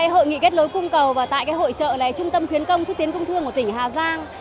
hội nghị kết nối cung cầu và tại hội trợ trung tâm khuyến công xúc tiến công thương của tỉnh hà giang